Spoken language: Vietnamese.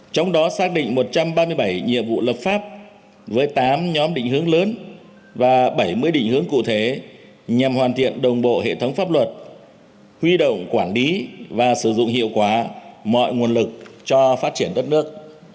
trong đó xác định một trăm ba mươi bảy nhiệm vụ lập pháp với tám nhóm định hướng lớn và bảy mươi định hướng cụ thể nhằm hoàn thiện đồng bộ hệ thống pháp luật huy động quản lý và sử dụng hiệu quả mọi nguồn lực cho phát triển đất nước